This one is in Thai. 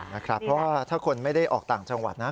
เพราะว่าถ้าคนไม่ได้ออกต่างจังหวัดนะ